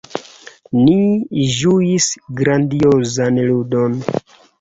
Ni ĝuis grandiozan ludon.